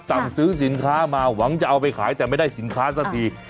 สั่งซื้อสินค้ามาหวังจะเอาไปขายแต่ไม่ได้สินค้าสักที